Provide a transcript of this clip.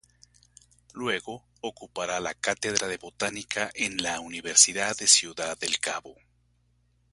Luego ocupará la cátedra de Botánica en la Universidad de Ciudad del Cabo.